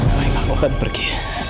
baik aku akan pergi